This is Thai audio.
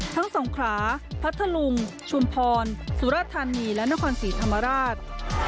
สงขราพัทธลุงชุมพรสุรธานีและนครศรีธรรมราช